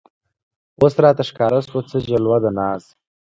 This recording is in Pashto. اوس راته ښکاره شوه څه جلوه د ناز